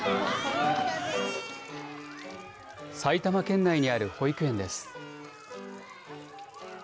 埼玉県内にある保育園です。